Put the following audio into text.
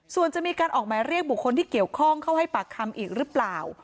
ส่วนจะมีการออกหมายเรียกบุคคลที่เกี่ยวข้องเข้าให้ปากคำอีกหรือเปล่า